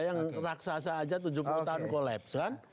yang raksasa aja tujuh puluh tahun kolaps kan